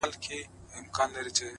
o دا ستا خبري او ښكنځاوي گراني ؛